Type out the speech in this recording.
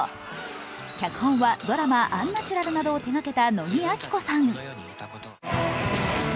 脚本はドラマ「アンナチュラル」などを手がけた野木亜紀子さん。